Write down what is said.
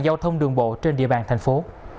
giao thông đường bộ trên địa bàn thành phố